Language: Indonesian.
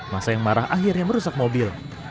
masa yang marah akhirnya merusak mobil